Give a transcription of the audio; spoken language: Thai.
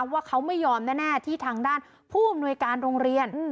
ว่าเขาไม่ยอมแน่ที่ทางด้านผู้อำนวยการโรงเรียน